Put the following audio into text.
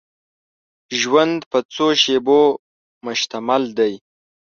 ژوند په څو شېبو مشتمل دی.